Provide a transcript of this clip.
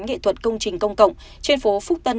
nghệ thuật công trình công cộng trên phố phúc tân